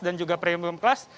dan juga premium class